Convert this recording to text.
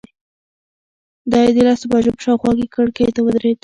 دی د لسو بجو په شاوخوا کې کړکۍ ته ودرېد.